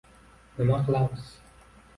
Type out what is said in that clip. — Nima qilamiz?